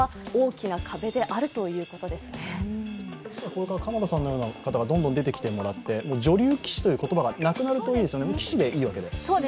これから鎌田さんのような方にどんどん出てきてもらって、女流棋士という言葉がなくなるといいですよね、もう棋士でいいわけですから。